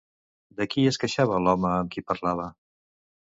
De qui es queixava l'home amb qui parlava?